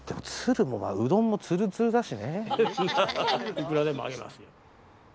いくらでもあげますよ。